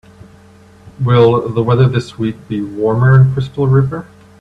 Will the weather this week be warmer in Crystal River?